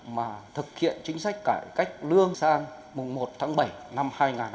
mà thực hiện chính sách cải cách lương sang mùng một tháng bảy năm hai nghìn hai mươi bốn